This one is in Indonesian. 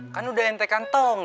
kan udah ente kantong